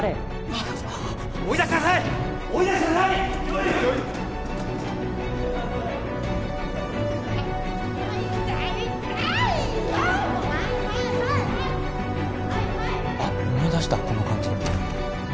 あっ思い出したこの感じ。